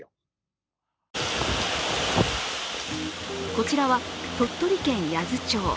こちらは鳥取県八頭町。